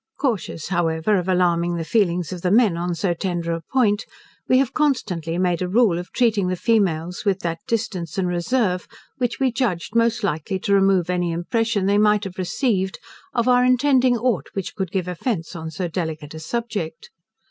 Cautious, however, of alarming the feelings of the men on so tender a point, we have constantly made a rule of treating the females with that distance and reserve, which we judged most likely to remove any impression they might have received of our intending aught, which could give offence on so delicate a subject.